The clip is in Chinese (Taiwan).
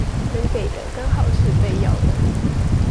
能給的剛好是被要的